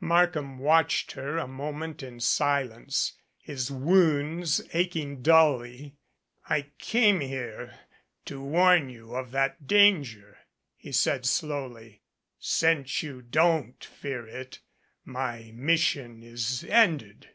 Markham watched her a moment in silence, his wounds aching dully. "I came here to warn you of that danger," he said slowly. "Since you don't fear it, my mission is ended."